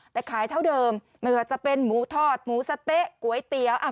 แต่ขายเท่าเดิมไม่ว่าจะเป็นหมูทอดหมูสะเต๊ะก๋วยเตี๋ยว